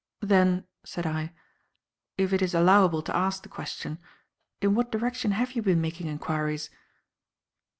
"Then," said I, "if it is allowable to ask the question, in what direction have you been making enquiries?"